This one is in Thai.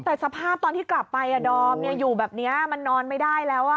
แต่สภาพตอนที่กลับไปดอมอยู่แบบนี้มันนอนไม่ได้แล้ว